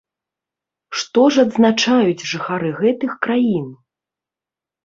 Што ж адзначаюць жыхары гэтых краін?